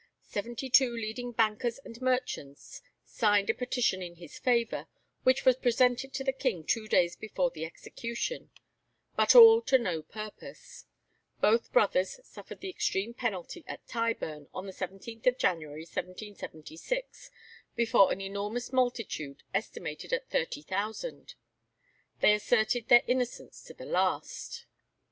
Seventy two leading bankers and merchants signed a petition in his favour, which was presented to the King two days before the execution. But all to no purpose. Both brothers suffered the extreme penalty at Tyburn on the 17th January, 1776, before an enormous multitude estimated at 30,000. They asserted their innocence to the last.